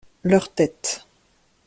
Leur tête.